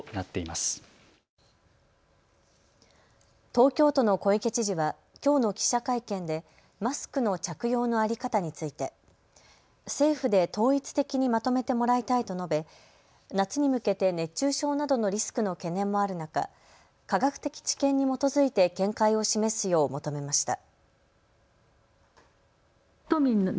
東京都の小池知事はきょうの記者会見でマスクの着用の在り方について政府で統一的にまとめてもらいたいと述べ夏に向けて熱中症などのリスクの懸念もある中、科学的知見に基づいて見解を示すよう求めました。